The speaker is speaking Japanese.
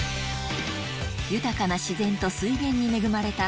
豊かな自然と水源に恵まれた